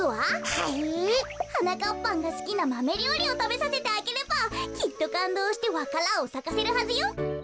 はい？はなかっぱんがすきなマメりょうりをたべさせてあげればきっとかんどうしてわか蘭をさかせるはずよ。